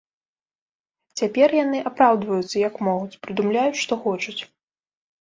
Цяпер яны апраўдваюцца, як могуць, прыдумляюць, што хочуць.